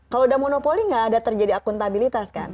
kalau udah monopoli nggak ada terjadi akuntabilitas kan